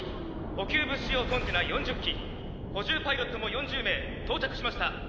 補給物資用コンテナ４０機補充パイロットも４０名到着しました。